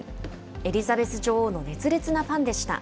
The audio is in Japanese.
エリザベス女王の熱烈なファンでした。